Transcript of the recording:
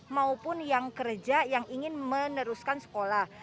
maupun yang kerja yang ingin meneruskan sekolah